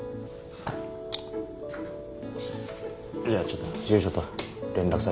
じゃあちょっと住所と連絡先。